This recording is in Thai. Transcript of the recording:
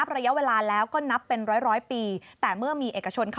เพราะว่าเคยนำเสนอเรื่องนี้ไปแล้ว